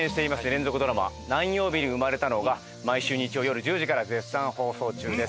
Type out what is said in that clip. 連続ドラマ『何曜日に生まれたの』が毎週日曜よる１０時から絶賛放送中です。